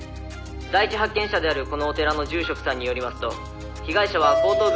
「第一発見者であるこのお寺の住職さんによりますと」